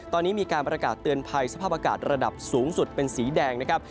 ตอนนี้มีการประกาศเตือนภัยสภาพอากาศระดับสูงสุดเป็นสีแดงนะครับ